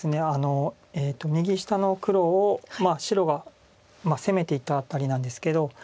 右下の黒を白が攻めていったあたりなんですけど。